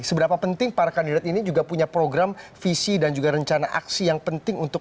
seberapa penting para kandidat ini juga punya program visi dan juga rencana aksi yang penting untuk